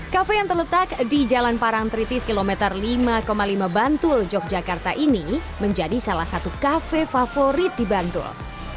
kafe yang terletak di jalan parang tritis kilometer lima lima bantul yogyakarta ini menjadi salah satu kafe favorit di bantul